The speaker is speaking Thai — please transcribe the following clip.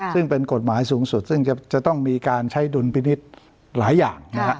ซึ่งเป็นกฎหมายสูงสุดซึ่งจะต้องมีการใช้ดุลพินิษฐ์หลายอย่าง